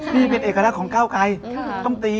นี่เป็นเอกลักษณ์ของก้าวไกรต้องตี